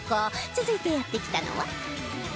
続いてやって来たのは